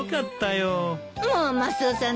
もうマスオさん